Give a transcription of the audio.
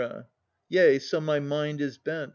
Yea, so my mind is bent.